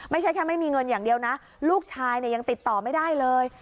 ไม่ใช่แค่ไม่มีเงินอย่างเดียวนะลูกชายเนี่ยยังติดต่อไม่ได้เลย